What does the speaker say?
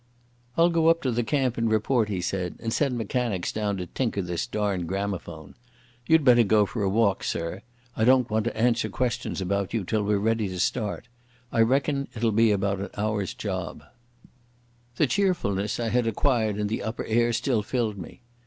"I'll go up to the camp and report," he said, "and send mechanics down to tinker this darned gramophone. You'd better go for a walk, sir. I don't want to answer questions about you till we're ready to start. I reckon it'll be an hour's job." The cheerfulness I had acquired in the upper air still filled me.